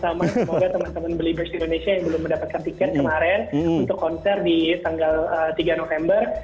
semoga teman teman beliburst indonesia yang belum mendapatkan tiket kemarin untuk konser di tanggal tiga november